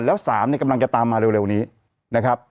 แล้ว๓เนี่ยกำลังจะตามมาเร็วนี้นะครับ